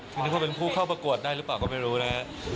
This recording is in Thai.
นึกว่าเป็นผู้เข้าประกวดได้หรือเปล่าก็ไม่รู้นะฮะ